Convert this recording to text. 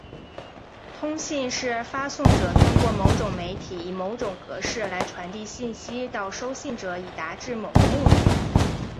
通信是发送者通过某种媒体以某种格式来传递信息到收信者以达致某个目的。